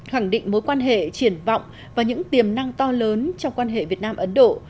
khẳng định mối quan hệ triển vọng và những tiềm năng to lớn trong quan hệ việt nam ấn độ